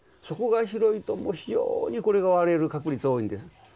底が広いと非常にこれが割れる確率多いんです。